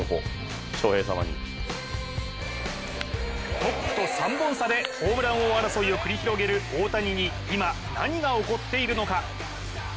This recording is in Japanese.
トップと３本差でホームラン王争いを繰り広げる大谷に今、何が起こっているのか。